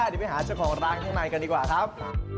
เดี๋ยวไปหาเจ้าของร้านข้างในกันดีกว่าครับ